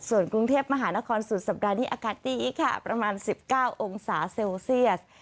ส่วนกรุงเทพมหานครสุดสัปดาห์นี้อากาศดีอีกค่ะประมาณ๑๙องศาเซลเซียส